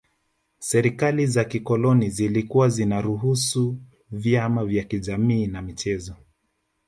Serikali za kikoloni zilikuwa zinaruhusu vyama vya kijamii na michezo